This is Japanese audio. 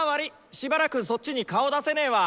しばらくそっちに顔出せねわ。